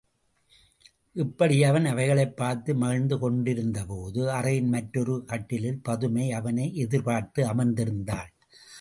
இப்படி அவன் அவைகளைப் பார்த்து மகிழ்ந்து கொண்டிருந்தபோது, அறையின் மற்றொரு கட்டிலில் பதுமை அவனை எதிர்பார்த்து அமர்ந்திருந்தாள்.